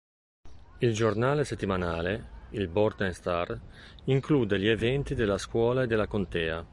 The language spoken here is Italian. Il giornale settimanale, il "Borden Star", include gli eventi della scuola e della contea.